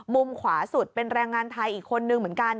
มุมขวาสุดเป็นแรงงานไทยอีกคนนึงเหมือนกัน